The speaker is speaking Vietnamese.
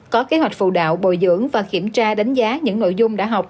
có kế hoạch phụ đạo bồi dưỡng và kiểm tra đánh giá những nội dung đã học